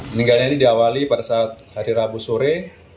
meninggalnya ini diawali pada saat hari rabu sore